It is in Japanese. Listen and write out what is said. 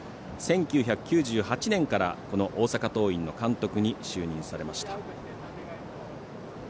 ５２歳、１９９８年から大阪桐蔭の監督に就任されました。